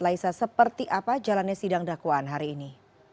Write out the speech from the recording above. laisa seperti apa jalannya sidang dakwaan hari ini